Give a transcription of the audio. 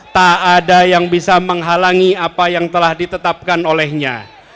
tak ada yang bisa menghalangi apa yang telah ditetapkan olehnya